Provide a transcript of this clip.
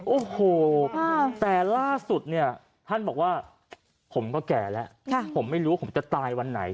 โอ้โหแต่ล่าสุดเนี่ยท่านบอกว่าผมก็แก่แล้วผมไม่รู้ผมจะตายวันไหน